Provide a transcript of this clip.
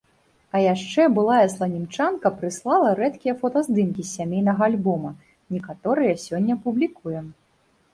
А яшчэ былая сланімчанка прыслала рэдкія фотаздымкі з сямейнага альбома, некаторыя сёння публікуем.